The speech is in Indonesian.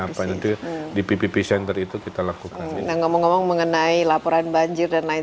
apa nanti di ppp center itu kita lakukan nah ngomong ngomong mengenai laporan banjir dan lain